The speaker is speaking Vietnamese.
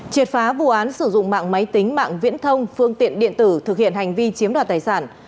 triệt phá vụ án sử dụng mạng máy tính mạng viễn thông phương tiện điện tử thực hiện hành vi chiếm đoạt tài sản